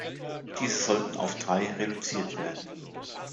Diese sollten auf drei reduziert werden.